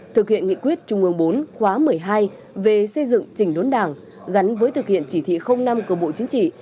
thực hiện nghị quyết trung ương bốn khóa một mươi hai về xây dựng trình đốn đảng gắn với thực hiện chỉ thị năm của bộ chính trị